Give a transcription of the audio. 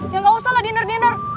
ya gak usah lah diner dinner